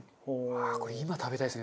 これ今食べたいですね